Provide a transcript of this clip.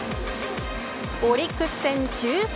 オリックス戦１３